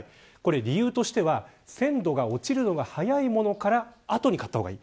理由としては鮮度が落ちるのが早いものから後に買った方がいい。